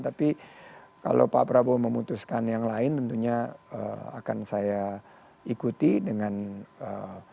tapi kalau pak prabowo memutuskan yang lain tentunya akan saya ikuti dengan ee